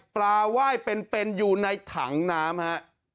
ปลาไหว้เป็นอยู่ในถังน้ำ